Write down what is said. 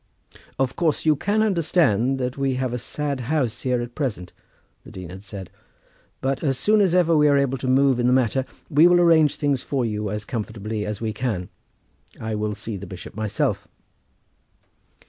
"Of course you can understand that we have a sad house here at present," the dean had said. "But as soon as ever we are able to move in the matter we will arrange things for you as comfortably as we can. I will see the bishop myself."